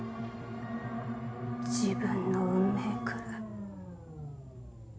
自分の運命くらい。